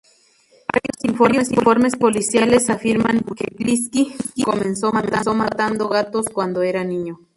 Varios informes policiales afirman que Kuklinski comenzó matando gatos cuando era niño.